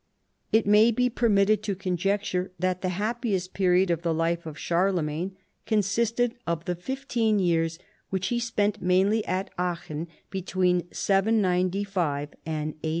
It may be permitted to conjecture that the hap piest period of the life of Charles consisted of the fifteen years which he spent mainly at Aachen , between 795 and 810.